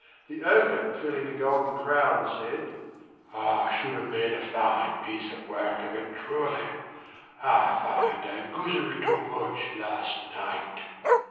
The Ogre, feeling the golden crowns, said: "I should have made a fine piece of work of it truly; I find I guzzled too much last night."